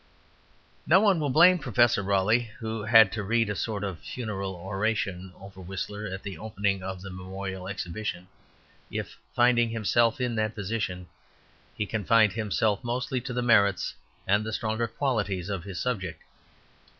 No one will blame Professor Raleigh, who had to read a sort of funeral oration over Whistler at the opening of the Memorial Exhibition, if, finding himself in that position, he confined himself mostly to the merits and the stronger qualities of his subject.